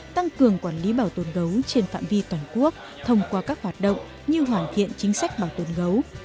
tăng cường quản lý bảo tồn gấu trên phạm vi toàn quốc thông qua các hoạt động như hoàn thiện chính sách bảo tồn gấu